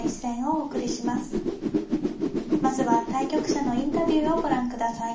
まずは対局者のインタビューをご覧ください。